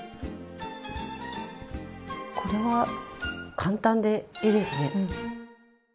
これは簡単でいいですね。